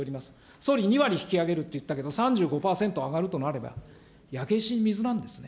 総理、２割引き上げるって言ったけど、３５％上がるとなれば、焼け石に水なんですね。